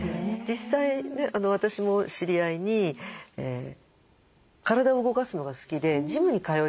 実際私も知り合いに体を動かすのが好きでジムに通い始めた。